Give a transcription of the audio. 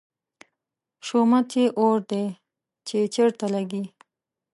شومت یې اور دی، چې چېرته لګي